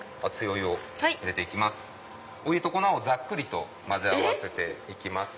お湯と粉をざっくりと混ぜ合わせて行きます。